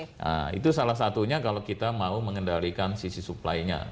nah itu salah satunya kalau kita mau mengendalikan sisi supply nya